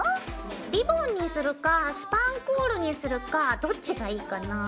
リボンにするかスパンコールにするかどっちがいいかな？